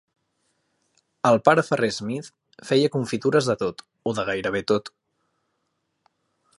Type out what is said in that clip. El pare Ferrer Smith feia confitures de tot, o de gairebé tot.